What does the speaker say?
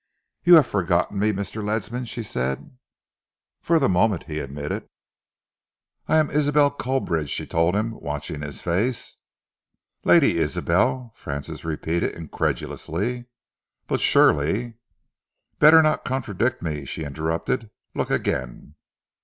"You have forgotten me, Mr. Ledsam," she said. "For the moment," he admitted. "I am Isabel Culbridge," she told him, watching his face. "Lady Isabel?" Francis repeated incredulously. "But surely " "Better not contradict me," she interrupted. "Look again."